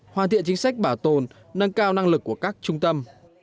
hoàn thiện chính sách bảo tồn nâng cao năng lực của các trung tâm